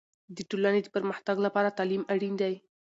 د ټولنې د پرمختګ لپاره تعلیم اړین دی.